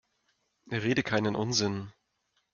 Rede keinen Unsinn!